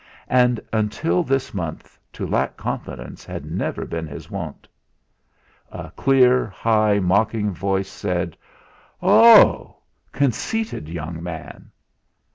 And until this month to lack confidence had never been his wont. A clear, high, mocking voice said: "Oh h! Conceited young man!"